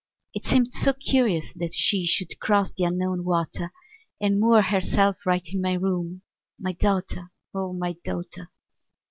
It seemed so curious that she Should cross the Unknown water, And moor herself right in my room, My daughter, O my daughter!